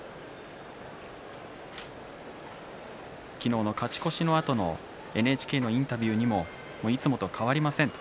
昨日の勝ち越しのあとのＮＨＫのインタビューでもいつもと変わりませんと。